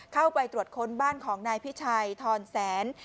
เข้าไปตรวจค้นบ้านของนายพิชัยทอนแสน